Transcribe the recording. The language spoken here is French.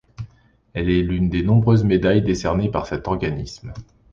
Elle est l'une des nombreuses médailles décernées par cet organisme.